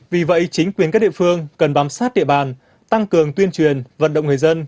vì vậy chính quyền các địa phương cần bám sát địa bàn tăng cường tuyên truyền vận động người dân